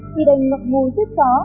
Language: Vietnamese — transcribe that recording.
khi đành ngập ngùi xếp xó